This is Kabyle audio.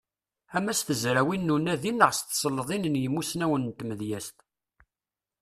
Ama s tezrawin n unadi neɣ s tselḍin n yimussnawen n tmedyazt.